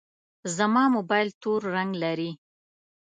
زما موبایل تور رنګ لري.